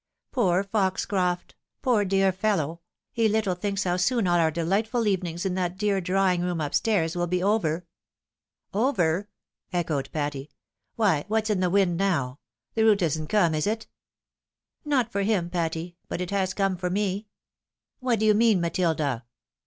" Poor Foxcroft ! poor dear fellow ! he little thinks how soon all our delightful evenings in that dear drawing room up stairs will be over !"" Over !" echoed Patty. " Why, what's in the wind now ? the route isn't come, is it ?"" Not for him, Patty, but it has come for me !"" What do you mean, Matilda